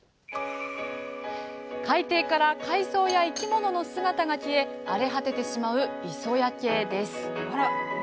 海底から海藻や生き物の姿が消え荒れ果ててしまう「磯焼け」です。